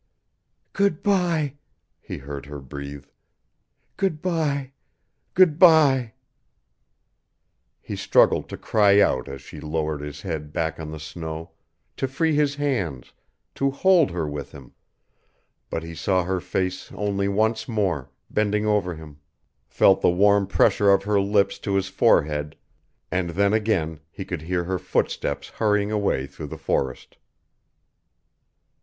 "Good by," he heard her breathe. "Good by good by " He struggled to cry out as she lowered his head back on the snow, to free his hands, to hold her with him but he saw her face only once more, bending over him; felt the warm pressure of her lips to his forehead, and then again he could hear her footsteps hurrying away through the forest.